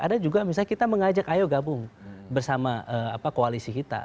ada juga misalnya kita mengajak ayo gabung bersama koalisi kita